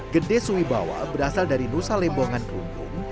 gede suwibawa berasal dari nusa lembongan kelumpung